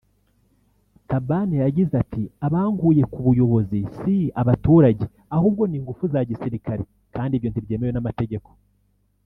Thabane yagize ati “Abankuye ku buyobozi si abaturage ahubwo ni igufu za gisirikare kadi ibyo ntibyemewe n’amategeko